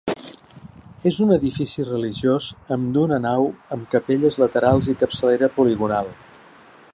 És un edifici religiós amb d'una nau amb capelles laterals i capçalera poligonal.